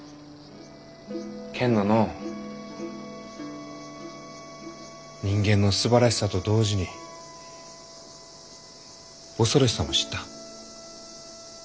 けんどのう人間のすばらしさと同時に恐ろしさも知った。